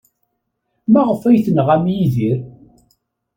Maɣef ay tenɣam Yidir?